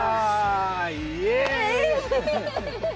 イエイ！